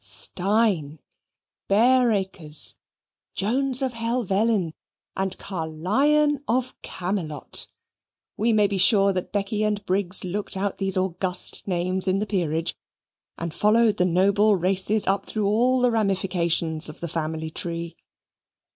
Steyne! Bareacres, Johnes of Helvellyn! and Caerylon of Camelot! we may be sure that Becky and Briggs looked out those august names in the Peerage, and followed the noble races up through all the ramifications of the family tree.